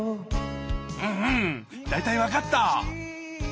うんうん大体分かった。